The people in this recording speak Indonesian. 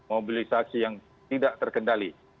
mobilisasi yang tidak terkendali